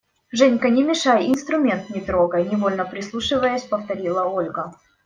– Женька, не мешай и инструмент не трогай! – невольно прислушиваясь, повторила Ольга.